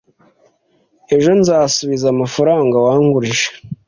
Ejo, nzasubiza amafaranga wangurije.